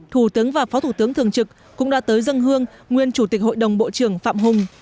thủ tướng và phó thủ tướng thường trực cũng đã tới dân hương nguyên chủ tịch hội đồng bộ trưởng phạm hùng